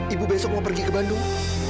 ibu besok mau pergi ke bandung